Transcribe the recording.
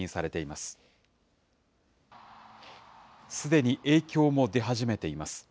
すでに影響も出始めています。